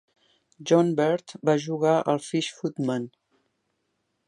John Bird va jugar al Fish Footman.